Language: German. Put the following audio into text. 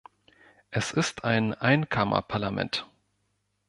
Es ist ein Einkammerparlament.